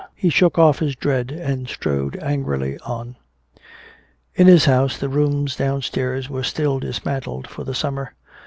He shook off his dread and strode angrily on. In his house, the rooms downstairs were still dismantled for the summer.